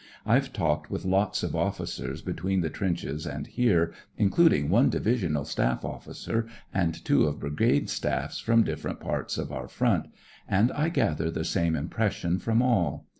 IVe talked with lots of officers between the trenches and here, including one Divisional Staff officer and two of Brigade Staffs from different parts of our front, and I gather the same impression from all.